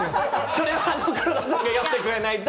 それは黒田さんが読んでくれないと。